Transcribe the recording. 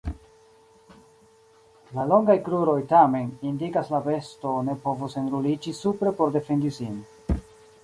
La longaj kruroj, tamen, indikas la besto ne povus enruliĝi supre por defendi sin.